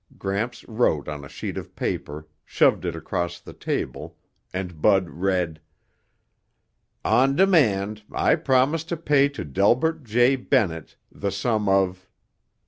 Gramps wrote on a sheet of paper, shoved it across the table, and Bud read, _On demand I promise to pay to Delbert J. Bennett the sum of